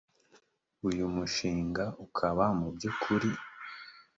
uyu mushinga ukaba mu by ukuri